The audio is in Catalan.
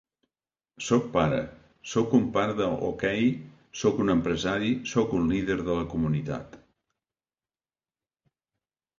Sóc pare, sóc un pare de hoquei, sóc un empresari, sóc un líder de la comunitat.